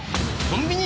コンビニ？